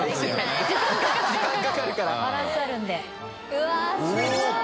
うわっすごい！